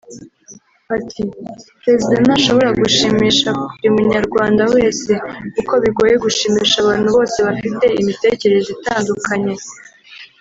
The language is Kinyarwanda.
Ati “Perezida ntashobora gushimisha buri Munyarwanda wese kuko bigoye gushimisha abantu bose bafite imitekerereze itandukanye